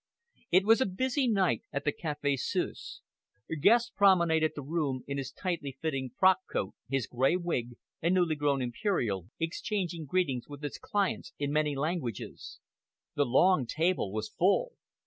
It was a busy night at the Café Suisse. Guest promenaded the room in his tightly fitting frock coat, his grey wig, and newly grown imperial, exchanging greetings with his clients in many languages. The long table was full!